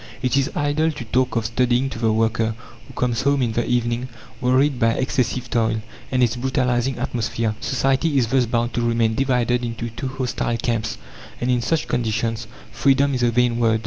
It is idle to talk of studying to the worker, who comes home in the evening wearied by excessive toil, and its brutalizing atmosphere. Society is thus bound to remain divided into two hostile camps, and in such conditions freedom is a vain word.